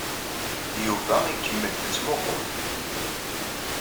Yuba ikemmel yettmuqqul.